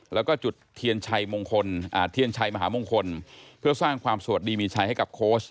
แล้วก็จุดเทียนชัยมงคลเทียนชัยมหามงคลเพื่อสร้างความสวัสดีมีชัยให้กับโค้ช